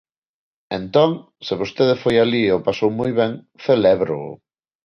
Entón, se vostede foi alí e o pasou moi ben celébroo.